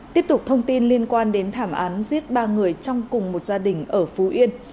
tiếp tục thông tin liên quan đến thảm án giết ba người trong cùng một gia đình ở phú yên